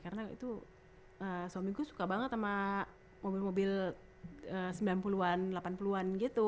karena itu suami gue suka banget sama mobil mobil sembilan puluh an delapan puluh an gitu